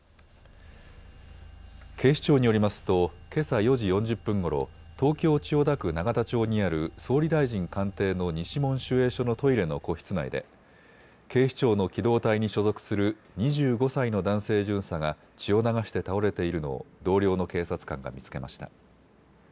警視庁によりますとけさ４時４０分ごろ、東京千代田区永田町にある総理大臣官邸の西門守衛所のトイレの個室内で警視庁の機動隊に所属する２５歳の男性巡査が血を流して倒れているのを同僚の警察官が見つけました。